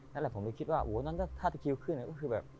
นั่นแหละผมเลยคิดว่าโอ้นั้นถ้าจะคิวขึ้นก็คือแบบ